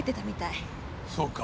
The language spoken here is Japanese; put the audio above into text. そうか。